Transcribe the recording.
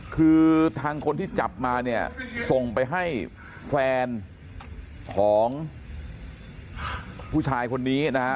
คือทางคนที่จับมาเนี่ยส่งไปให้แฟนของผู้ชายคนนี้นะฮะ